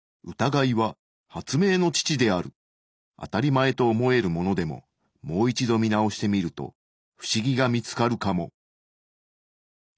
あたりまえと思えるものでももう一度見直してみるとフシギが見つかるかも。